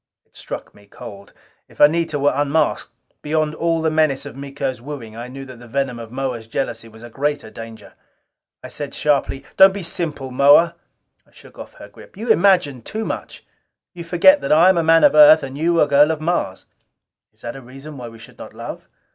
It struck me cold. If Anita were unmasked, beyond all the menace of Miko's wooing, I knew that the venom of Moa's jealousy was a greater danger. I said sharply, "Don't be simple, Moa!" I shook off her grip. "You imagine too much. You forget that I am a man of Earth and you a girl of Mars." "Is that reason why we should not love?"